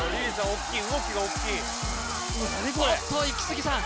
おっきい動きがおっきいおっとイキスギさん